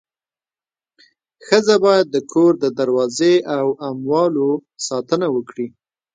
ښځه باید د کور د دروازې او اموالو ساتنه وکړي.